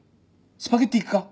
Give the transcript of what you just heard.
スパゲティ行くか？